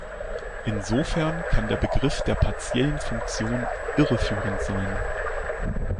Insofern kann der Begriff der partiellen Funktion irreführend sein.